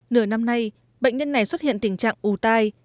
nửa năm nay bệnh nhân này xuất hiện tình trạng ù tai